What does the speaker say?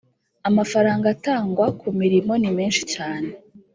amafaranga atangwa ku mirimo ni meshi cyane